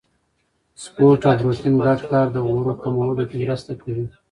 سپورت او پروتین ګډ کار د غوړو کمولو کې مرسته کوي.